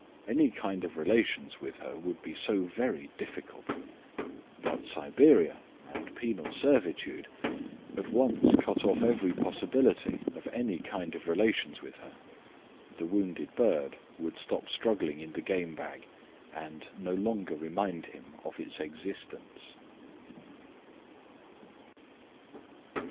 Any kind of relations with her would be so very difficult. But Siberia and penal servitude at once cut off every possibility of any kind of relations with her. The wounded bird would stop struggling in the game bag, and no longer remind him of its existence.